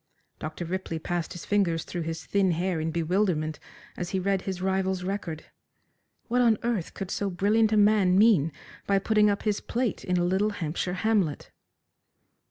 Dr. Ripley passed his fingers through his thin hair in bewilderment as he read his rival's record. What on earth could so brilliant a man mean by putting up his plate in a little Hampshire hamlet.